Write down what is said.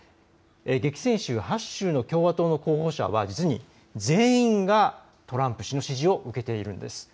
激戦州８州の共和党の候補者は実に全員がトランプ氏の支持を受けているんです。